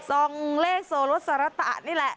ส่องเลขโซลสรตะนี่แหละ